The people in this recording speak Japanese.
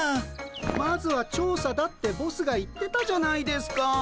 まずは調査だってボスが言ってたじゃないですか。